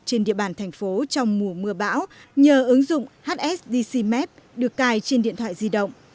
trên địa bàn thành phố trong mùa mưa bão nhờ ứng dụng hsdc map được cài trên điện thoại di động